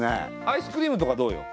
アイスクリームとかどうよ？